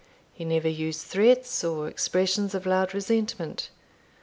He never used threats, or expressions of loud resentment.